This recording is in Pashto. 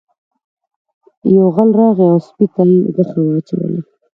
یو غل راغی او سپي ته یې غوښه واچوله.